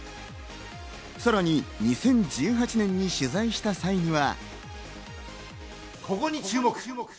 さらに２０１８年に取材した際には。